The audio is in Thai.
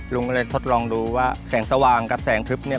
ลุงก็เลยทดลองดูว่าแสงสว่างกับแสงทึบเนี่ย